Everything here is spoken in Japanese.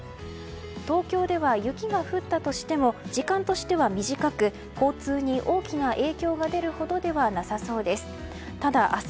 東京では雪が降ったとしても時間としては短く交通に大きな影響が出るほどではなさそうです。